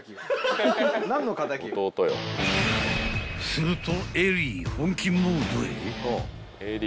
［すると］